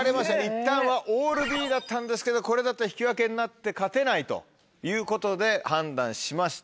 いったんはオールＢだったんですけどこれだと引き分けになって勝てないということで判断しました。